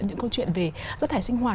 những câu chuyện về rác thải sinh hoạt